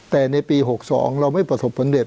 แต่ในปี๖๒เราไม่ประสบผลเด็